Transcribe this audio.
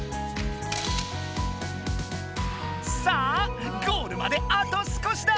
さあゴールまであと少しだ！